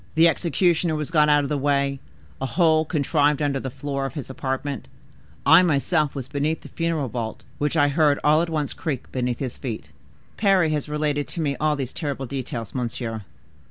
The executioner was got out of the way; a hole contrived under the floor of his apartment; I myself was beneath the funeral vault, which I heard all at once creak beneath his feet." "Parry has related to me all these terrible details, monsieur."